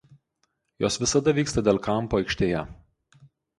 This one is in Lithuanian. Jos visada vyksta Del Campo aikštėje.